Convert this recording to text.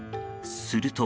すると。